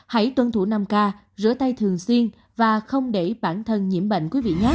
hãy tuân thủ năm k rửa tay thường xuyên và không để bản thân nhiễm bệnh